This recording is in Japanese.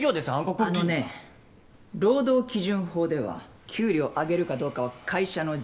あのね労働基準法では給料上げるかどうかは会社の自由。